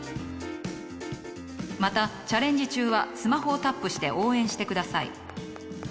またチャレンジ中はスマホをタップして応援してください。